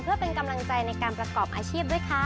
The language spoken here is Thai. เพื่อเป็นกำลังใจในการประกอบอาชีพด้วยค่ะ